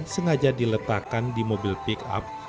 sengaja diletakkan di mobil pick up